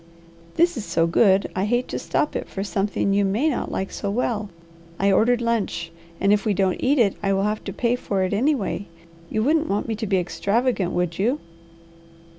"This is so good I hate to stop it for something you may not like so well. I ordered lunch and if we don't eat it I will have to pay for it anyway. You wouldn't want me to be extravagant, would you?"